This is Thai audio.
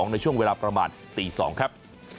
ในช่วงเวลาประมาณตี๒ครับ